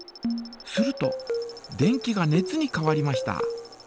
すると電気が熱に変わりました。